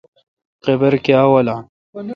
قابر کاں والان۔